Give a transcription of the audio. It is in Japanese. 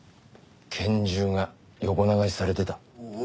拳銃が横流しされてた。